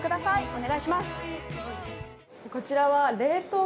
お願いします！